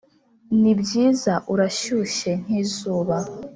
nibyiza, urashyushye nkizuba